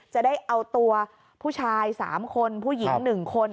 จะได้เอาตัวผู้ชายสามคนผู้หญิงหนึ่งคน